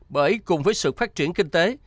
bởi cùng với sự phát triển kinh tế